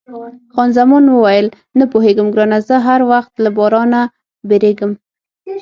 خان زمان وویل، نه پوهېږم ګرانه، زه هر وخت له بارانه بیریږم.